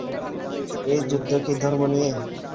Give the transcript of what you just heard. এই যুদ্ধ কি ধর্ম নিয়ে?